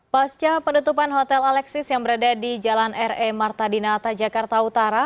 pasca penutupan hotel alexis yang berada di jalan re marta dinata jakarta utara